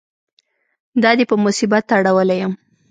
دا دې په مصیبت اړولی یم.